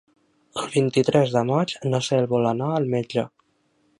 El vint-i-tres de maig na Cel vol anar al metge.